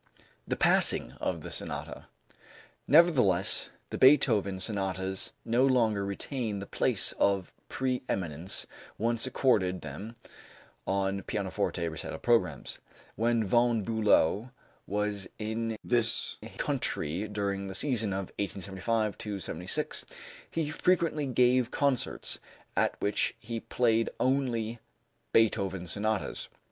The Passing of the Sonata. Nevertheless, the Beethoven sonatas no longer retain the place of pre eminence once accorded them on pianoforte recital programs. When Von Bülow was in this country during the season of 1875 76 he frequently gave concerts at which he played only Beethoven sonatas.